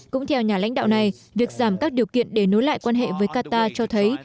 cũng theo nhà lãnh đạo này việc giảm các điều kiện để nối lại quan hệ với qatar cho thấy